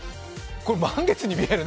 これ、満月に見えるね。